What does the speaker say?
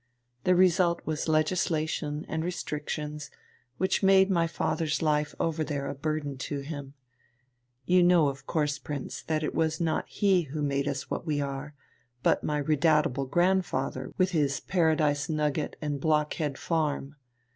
The result was legislation and restrictions which made my father's life over there a burden to him. You know of course, Prince, that it was not he who made us what we are, but my redoubtable grandfather with his Paradise nugget and Blockhead Farm.